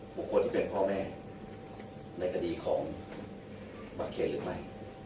คนที่เป็นพ่อแม่ในคดีของบังเขตหรือไม่